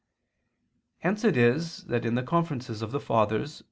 Hence it is that in the Conferences of the Fathers (Coll.